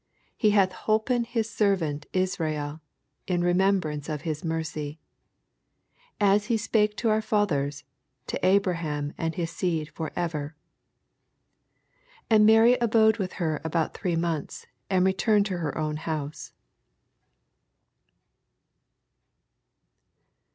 54 He hath holpen his servant Is rael, in remembrance of hit mercy ; 55 As he spake to our fathers, to Abraham, ana to his seed for ever. 56 And Mary abode with her about three months, and returned to her own house.